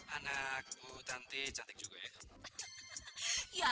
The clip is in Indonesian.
anakku nanti cantik juga ya